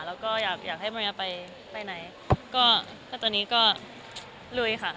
แล้วก็อยากให้มาเรียร์ไปไหนก็จะตอนนี้ก็ลุยค่ะ